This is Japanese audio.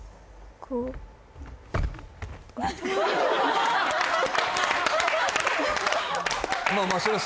こうまあまあそりゃ